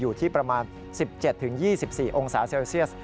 อยู่ที่ประมาณ๑๗๒๔องศาเซลเซียส